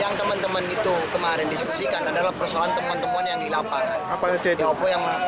yang teman teman itu kemarin diskusikan adalah persoalan teman teman yang dilapangan apa yang